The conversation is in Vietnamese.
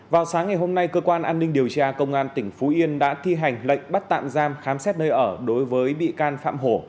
vào sáng ngày hôm nay cơ quan an ninh điều tra công an tỉnh phú yên đã thi hành lệnh bắt tạm giam khám xét nơi ở đối với bị can phạm hổ